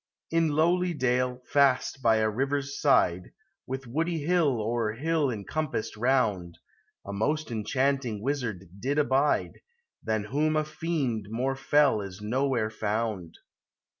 In lowly dale, fast by a river's side, With woody hill o'er hill encompassed round, A most enchanting wizard did abide, Than whom a fiend more fell is nowhere found.